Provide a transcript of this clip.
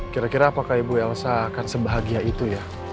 kira kira apakah ibu elsa akan sebahagia itu ya